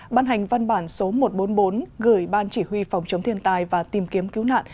ban hành văn bản số một trăm bốn mươi bốn gửi ban chỉ huy phòng chống thiên tai và tìm kiếm cứu nạn